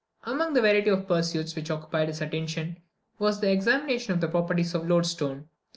Among the variety of pursuits which occupied his attention, was the examination of the properties of the loadstone.